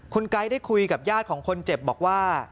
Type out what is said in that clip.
คุณไก๊ได้คุยกับญาติของคนเจ็บบอกว่า